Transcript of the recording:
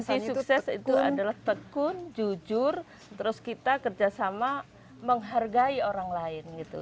jadi kunci sukses itu adalah tekun jujur terus kita kerjasama menghargai orang lain gitu